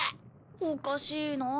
おかしいなあ。